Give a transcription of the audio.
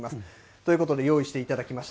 ということで、用意していただきました。